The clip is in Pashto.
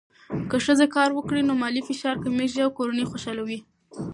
که ښځه کار وکړي، نو مالي فشار کمېږي او کورنۍ خوشحاله وي.